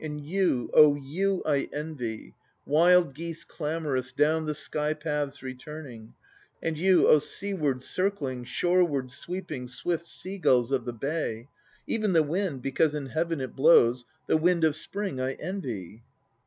And you, oh you I envy, Wild geese clamorous Down the sky paths returning; And you, O seaward circling, shoreward sweeping Swift seagulls of the bay: Even the wind, because in heaven it blows, The wind of Spring I envy.